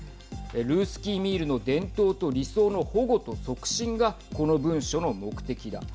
ルースキーミールの伝統と理想の保護と促進がこの文書の目的だ。